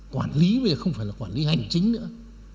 quản lý bây giờ không phải là quản lý hành chính nữa